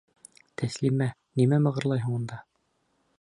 Тәслимә, нимә мығырлайһың унда?